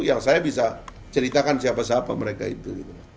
yang saya bisa ceritakan siapa siapa mereka itu